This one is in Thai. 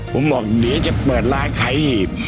ผมบอกเดี๋ยวจะเปิดร้านขายหีบ